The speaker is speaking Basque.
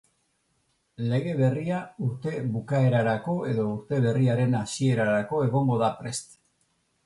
Lege berria urte bukaerarako edo urte berriaren hasierarako egongo da prest.